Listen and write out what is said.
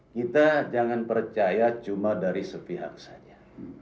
kita jangan percaya cuma dari sepihak saja